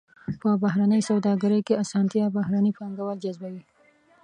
په بهرنۍ سوداګرۍ کې اسانتیا بهرني پانګوال جذبوي.